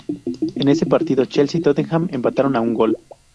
En ese partido Chelsea y Tottenham empataron a un gol.